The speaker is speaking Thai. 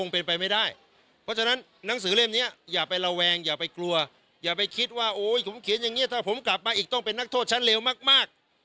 เพราะฉะนั้นอย่างนี้ถ้าผมกลับมาอีกต้องเป็นนักโทษชั้นเลวมาก